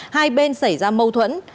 hai bên xảy ra mâu thuẫn